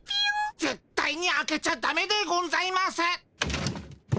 絶対に開けちゃダメでゴンざいます。